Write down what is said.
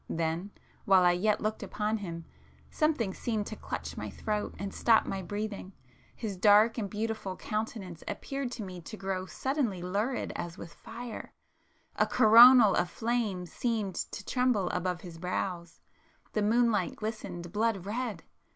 —then,—while I yet looked upon him, something seemed to clutch my throat and stop my breathing,—his dark and beautiful countenance appeared to me to grow suddenly lurid as with fire,—a coronal of flame seemed to tremble above his brows,—the moonlight glistened blood red!